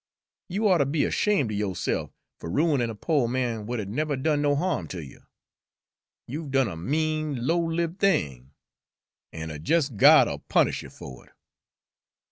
You oughter be 'shamed er yo'se'f fer ruinin' a po' man w'at had n' never done no harm ter you. You've done a mean, low lived thing, an' a jes' God'll punish you fer it.'